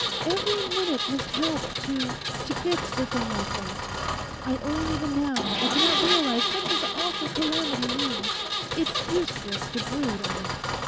Every minute must help to—to fix a thing like that. I own even now I cannot realise what this awful calamity means. It's useless to brood on it.